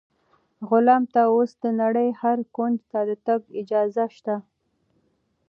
غلام ته اوس د نړۍ هر کونج ته د تګ اجازه شته.